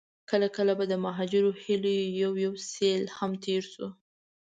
کله کله به د مهاجرو هيليو يو يو سيل هم تېر شو.